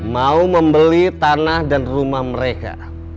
mau membeli tanah dan rumah mereka